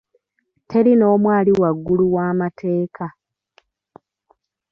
Teri n'omu ali waggulu wa'amateeka.